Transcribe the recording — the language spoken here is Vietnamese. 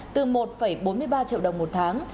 từ một bốn mươi ba triệu đồng một tháng